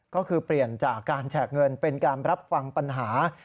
ก็คือเปลี่ยนจากการแฉกเงินเป็นการรับฟังปัญหา